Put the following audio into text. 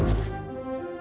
dan sangat bertanggung jawab